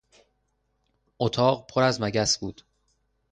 اتاق پر از مگس بود.